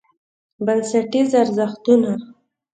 بنسټیز ارزښتونه: